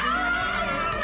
やった！